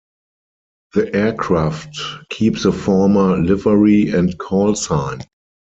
The aircraft keep the former livery and call sign.